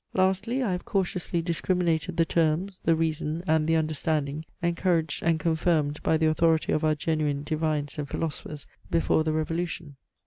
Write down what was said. Lastly, I have cautiously discriminated the terms, the reason, and the understanding, encouraged and confirmed by the authority of our genuine divines and philosophers, before the Revolution.